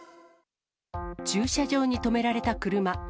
駐車場に止められた車。